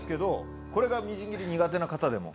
これがみじん切り苦手な方でも。